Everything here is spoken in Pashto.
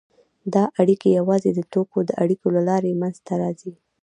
دا اړیکې یوازې د توکو د اړیکو له لارې منځته راځي